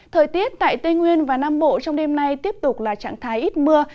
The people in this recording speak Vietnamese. thời tiết tại tây nguyên và nam bộ trong đêm nay tiếp tục là trạng thái ít mưa